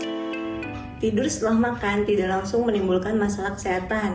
tidur setelah makan tidak langsung menimbulkan masalah kesehatan